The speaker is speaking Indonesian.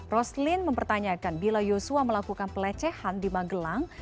roslin mempertanyakan bila yosua melakukan pelecehan di magelang